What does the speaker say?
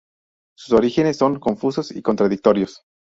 Sus orígenes son confusos y contradictorios.